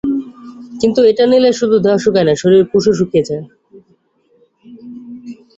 কিন্তু এটা নিলে শুধু দেহ শুকায় না, শরীরের কোষও শুকিয়ে যায়।